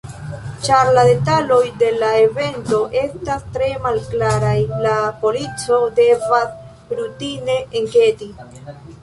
Ĉar la detaloj de la evento estas tre malklaraj, la polico devas rutine enketi.